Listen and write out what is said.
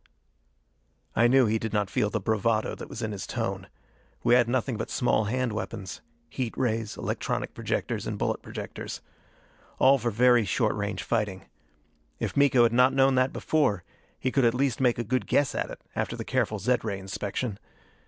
I knew he did not feel the bravado that was in his tone. We had nothing but small hand weapons: heat rays, electronic projectors, and bullet projectors. All for very short range fighting. If Miko had not known that before, he could at least make a good guess at it after the careful zed ray inspection.